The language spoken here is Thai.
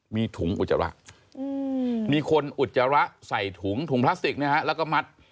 มีถุงอุจจาระมีคนอุจจาระใส่ถุงถุงพลาสติกนะฮะแล้วก็มัด